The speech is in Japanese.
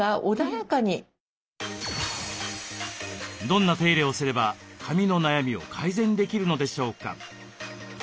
どんな手入れをすれば髪の悩みを改善できるのでしょうか？